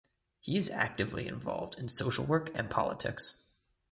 He is actively involved in social work and politics.